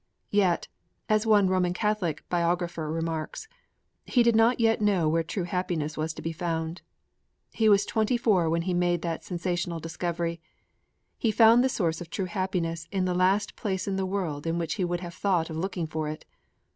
'Yet,' as one Roman Catholic biographer remarks, 'he did not yet know where true happiness was to be found.' He was twenty four when he made that sensational discovery. He found the source of true happiness in the last place in the world in which he would have thought of looking for it.